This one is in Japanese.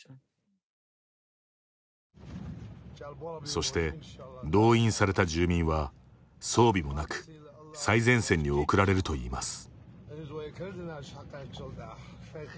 そして動員された住民は装備もなく最前線に送られるといいます。